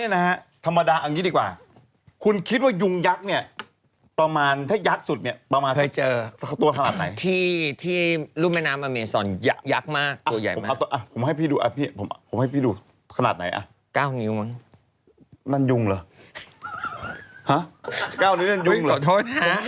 น่ากลัวมากจอกเข้าไปในผ้าน